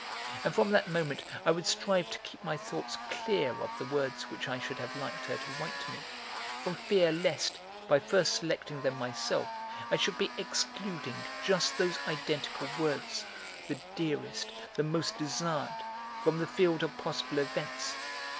And from that moment I would strive to keep my thoughts clear of the words which I should have liked her to write to me, from fear lest, by first selecting them myself, I should be excluding just those identical words, the dearest, the most desired from the field of possible events.